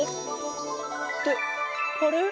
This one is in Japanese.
ってあれ？